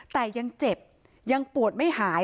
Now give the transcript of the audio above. แต่ยังเจ็บยังปวดไม่หาย